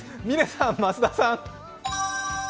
嶺さん、増田さん。